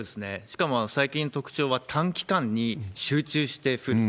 しかも最近の特徴は、短期間に集中して降る。